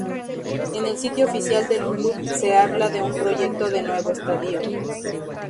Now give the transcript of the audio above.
En el sitio oficial del club se habla de un proyecto de "nuevo estadio".